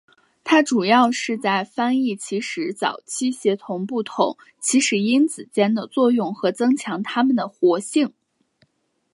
它主要是在翻译起始早期协同不同起始因子间的作用和增强它们的活性。